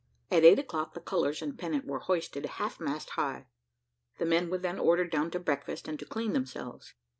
At eight o'clock the colours and pennant were hoisted half mast high. The men were then ordered down to breakfast, and to clean themselves.